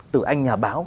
từ anh nhà báo